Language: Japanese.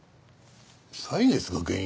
歳月が原因？